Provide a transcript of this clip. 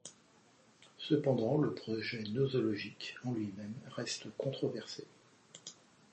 Cependant, le projet nosologique en lui-même reste controversé.